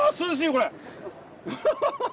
これ。